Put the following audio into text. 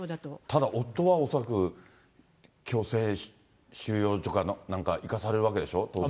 ただ夫は恐らく、強制収容所かなんか生かされるわけでしょ、当然。